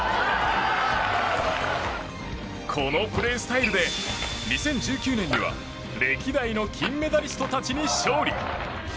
このプレースタイルで２０１９年には歴代の金メダリストたちに勝利。